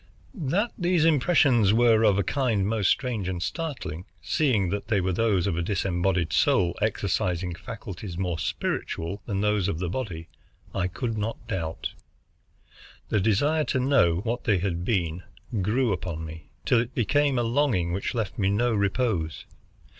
That these impressions were of a kind most strange and startling, seeing that they were those of a disembodied soul exercising faculties more spiritual than those of the body, I could not doubt. The desire to know what they had been grew upon me, till it became a longing which left me no repose.